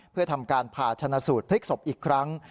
เพื่อทำการผ่าชนะสูตรพลิกศพอีกครั้ง